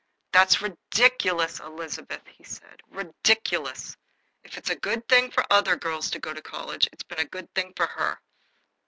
"That's ridiculous, Elizabeth," he said "ridiculous! If it's a good thing for other girls to go to college, it's been a good thing for her."